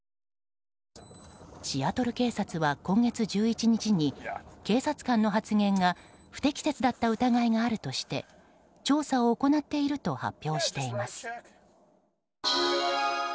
シアトル警察は今月１１日に警察官の発言が不適切だった疑いがあるとして調査を行っていると発表しています。